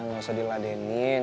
nggak usah diladenin